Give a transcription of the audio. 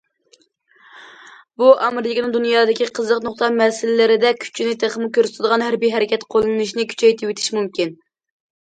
بۇ، ئامېرىكىنىڭ دۇنيادىكى قىزىق نۇقتا مەسىلىلىرىدە كۈچىنى تېخىمۇ كۆرسىتىدىغان ھەربىي ھەرىكەت قوللىنىشىنى كۈچەيتىۋېتىشى مۇمكىن.